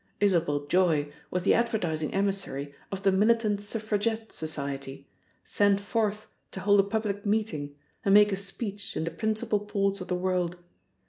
Isabel Joy was the advertising emissary of the Militant Suffragette Society, sent forth to hold a public meeting and make a speech in the principal ports of the world.